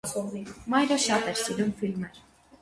Մայրը շատ էր սիրում ֆիլմեր։